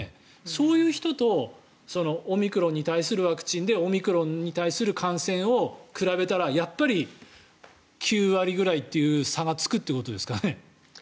そういう人とオミクロンに対するワクチンでオミクロンに対する感染を比べたらやっぱり９割くらいという差がつくということですかね。